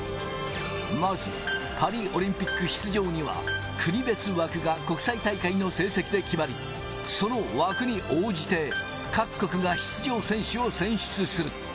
まずパリオリンピック出場には、国別枠が国際大会の成績で決まり、その枠に応じて各国が出場選手を選出する。